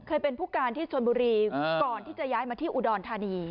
เคยเป็นผู้การที่ชนบุรีก่อนที่จะย้ายมาที่อุดรธานี